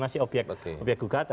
jadi itu menjadi masih obyek gugatan